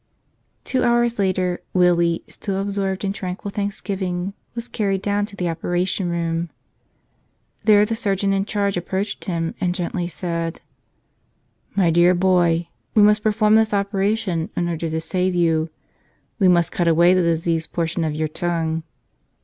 Two hours later Willie, still absorbed in tranquil thanksgiving, was carried down to the operation room. There the surgeon in charge approached him and gently said, ''My dear boy, we must perform this oper¬ ation in order to save you ; we must cut away the dis¬ eased portion of your tongue.